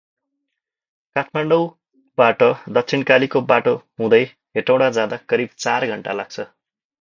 काठमाडौँ बाट दक्षिणकालीको बाटो हुदै हेटौडा जादा करिब चार घण्टा लाग्छ ।